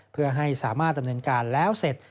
เพื่อให้สามารถดำเนินการแล้วเสร็จ